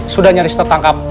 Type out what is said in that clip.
sudah nyaris tertangkap